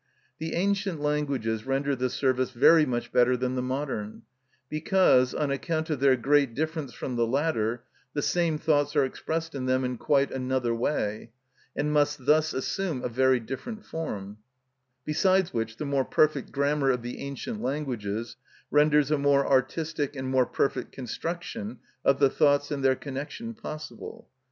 The ancient languages render this service very much better than the modern, because, on account of their great difference from the latter, the same thoughts are expressed in them in quite another way, and must thus assume a very different form; besides which the more perfect grammar of the ancient languages renders a more artistic and more perfect construction of the thoughts and their connection possible.